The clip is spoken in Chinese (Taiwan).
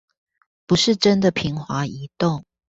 不是真的平滑移動